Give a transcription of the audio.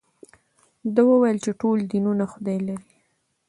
ده وویل چې ټول دینونه خدای لري.